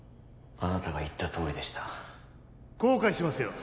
あなたが言ったとおりでした後悔しますよ